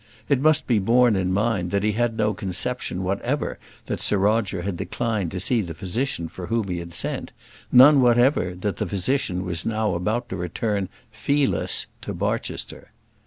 It must be borne in mind that he had no conception whatever that Sir Roger had declined to see the physician for whom he had sent; none whatever that the physician was now about to return, fee less, to Barchester.